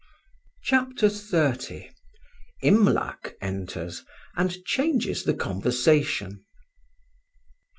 CHAPTER XXX IMLAC ENTERS, AND CHANGES THE CONVERSATION.